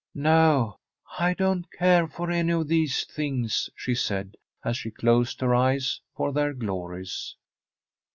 ' No, I do not care for any of these things,' she said, and she closed her eyes for their glories.